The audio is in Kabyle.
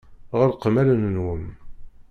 Ɣelqem allen-nwen.